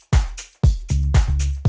ya satu purwok fiain